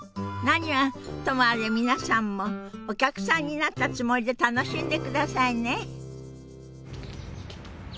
何はともあれ皆さんもお客さんになったつもりで楽しんでくださいね。